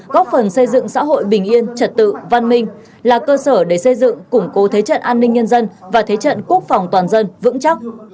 góp phần xây dựng xã hội bình yên trật tự văn minh là cơ sở để xây dựng củng cố thế trận an ninh nhân dân và thế trận quốc phòng toàn dân vững chắc